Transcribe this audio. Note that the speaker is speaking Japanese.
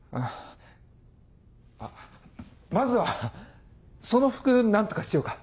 あっまずはその服何とかしようか。